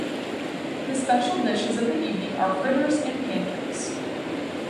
The special dishes of the evening are fritters and pancakes.